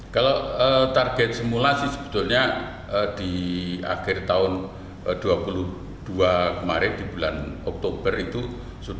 kalau target semula sih sebetulnya di akhir tahun dua ribu dua kemarin di bulan oktober itu sudah